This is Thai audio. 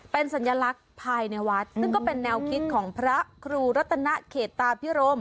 เป็นสัญลักษณ์ภายในวัดซึ่งก็เป็นแนวคิดของพระครูรัตนเขตตาพิรม